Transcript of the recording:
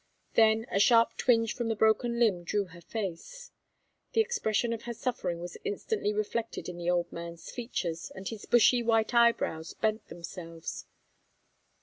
Then a sharp twinge from the broken limb drew her face. The expression of her suffering was instantly reflected in the old man's features, and his bushy white eyebrows bent themselves.